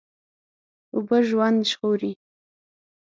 اوبه ژوند ژغوري.